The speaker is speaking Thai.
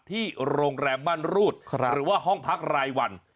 ที่โรงแรมมั่นรูดหรือว่าห้องพักรายวัน